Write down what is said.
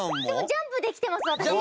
ジャンプできてます私。